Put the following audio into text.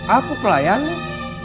aku pelayan nek